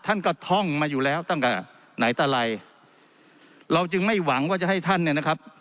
ท่านก็ท่องมาอยู่แล้วตั้งแต่ไหนตะไรเราจึงไม่หวังว่าจะให้ท่านเนี่ยนะครับ